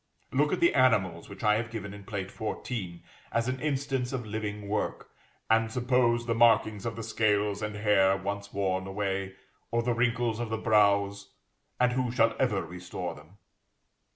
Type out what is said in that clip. Look at the animals which I have given in Plate 14, as an instance of living work, and suppose the markings of the scales and hair once worn away, or the wrinkles of the brows, and who shall ever restore them?